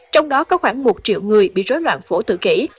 trong đó có khoảng một triệu người bị rối loạn phổ tự kỷ